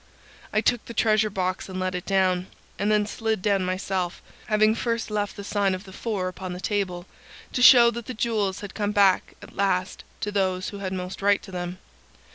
I took the treasure box and let it down, and then slid down myself, having first left the sign of the four upon the table, to show that the jewels had come back at last to those who had most right to them.